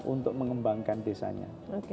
untuk mengembangkan desanya